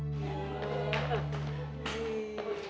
atau kalian bonus untuk lihat